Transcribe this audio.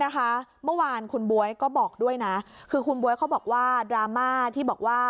เมื่อวานคุณบ๊วยก็บอกด้วยนะคือคุณบ๊วยเขาบอกว่าดราม่าที่บอกว่า